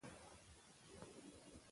شاه محمود د خپلو پوځیانو سره خبرې کوي.